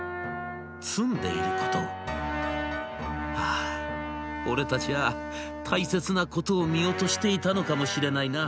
「ああ俺たちは大切なことを見落としていたのかもしれないな。